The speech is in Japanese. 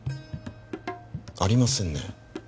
ありませんね